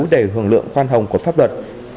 để hưởng lượng khoan hồng của pháp luật